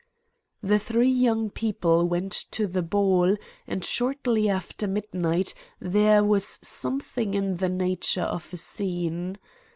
"The three young people went to the ball, and shortly after midnight there was something in the nature of a scene.